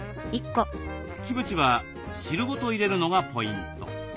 キムチは汁ごと入れるのがポイント。